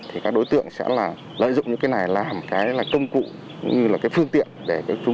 thì các đối tượng sẽ là lợi dụng những cái này làm cái là công cụ cũng như là cái phương tiện để chúng